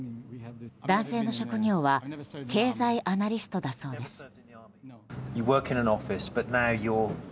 男性の職業は経済アナリストだそうです。